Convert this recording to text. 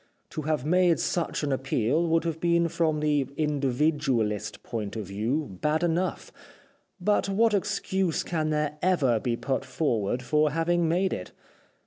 To have made such an appeal would have been from the individualist point of view bad enough, but what excuse can there ever be put forward for having made it